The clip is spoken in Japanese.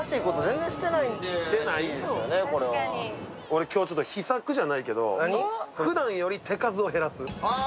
俺今日、秘策じゃないけど、ふだんより手数を減らす。